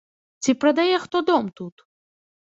Ці прадае хто дом тут.